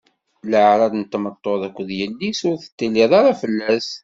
Leɛra n tmeṭṭut akked yelli-s, ur teṭṭiliḍ ara fell-as.